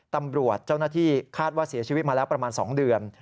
ตำรวจเจ้าหน้าที่คาดว่าเสียชีวิตมาแล้วประมาณ๒เดือน